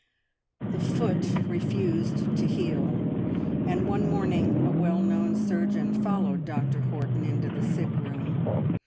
The foot refused to heal, and one morning a well known surgeon followed Dr Horton into the sick room.